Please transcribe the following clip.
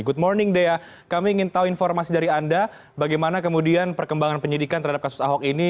good morning dea kami ingin tahu informasi dari anda bagaimana kemudian perkembangan penyidikan terhadap kasus ahok ini